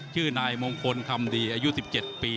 ชื่อนายมงคลคำดีอายุ๑๗ปี